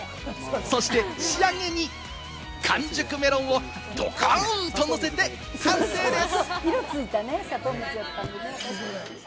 そして仕上げに、完熟メロンをドカンとのせて完成です！